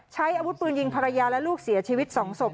ใช้อาวุธปืนยิงภรรยาและลูกเสียชีวิต๒ศพ